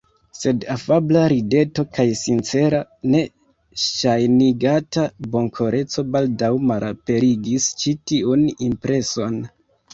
Sed afabla rideto kaj sincera, ne ŝajnigata bonkoreco baldaŭ malaperigis ĉi tiun impreson.